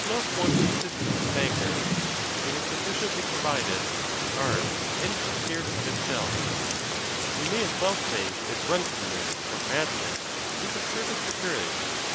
not want the as sistance of anger; it is sufficiently provided, armed, and prepared of itself. We may as well say that drunkenness or madness is of service to courage, because those who